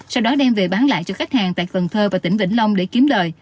sau đó đem về bán lại cho khách hàng tại cần thơ và tỉnh vĩnh long để kiếm lời